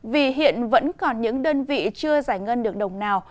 vì hiện vẫn còn những đơn vị chưa giải ngân được đồng nào